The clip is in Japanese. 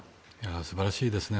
素晴らしいですね。